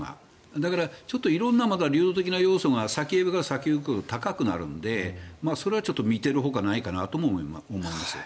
だから、ちょっと色んなまだ流動的な要素が先に行けば行くほど高くなるのでそれはちょっと見ているしかないかなと思います。